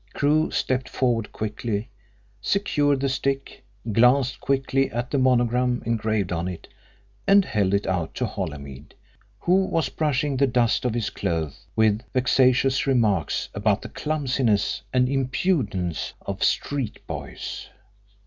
Crewe stepped forward quickly, secured the stick, glanced quickly at the monogram engraved on it, and held it out to Holymead, who was brushing the dust off his clothes with vexatious remarks about the clumsiness and impudence of street boys.